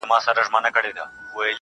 مه راته وايه چي د کار خبري ډي ښې دي,